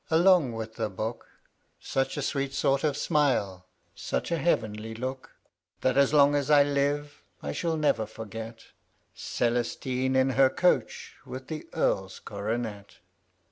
along with the book, Such a sweet sort of smile, such a heavenly look, That, as long as I live, I shall 'never forget Celestine, in .her coach with the earl's coronet.